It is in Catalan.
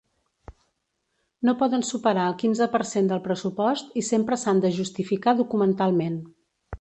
No poden superar el quinze per cent del pressupost i sempre s'han de justificar documentalment.